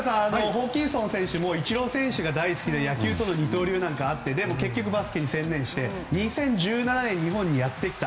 ホーキンソン選手もイチロー選手が大好きで野球との二刀流もあって結局バスケに専念して２０１７年、日本にやってきた。